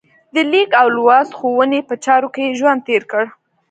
د لیک او لوست ښوونې په چارو کې یې ژوند تېر کړ.